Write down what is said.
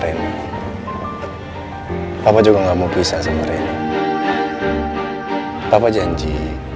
ini apa juga nggak mau pisah sama reni papa janji